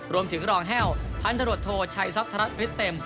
รวมถึงรองแห้วพันธรดโทชัยทรัพย์ฤทธิ์เต็ม